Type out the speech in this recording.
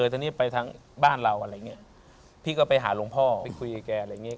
ตอนนี้ไปทางบ้านเราอะไรอย่างนี้พี่ก็ไปหาหลวงพ่อไปคุยกับแกอะไรอย่างเงี้